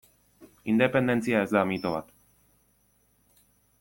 Independentzia ez da mito bat.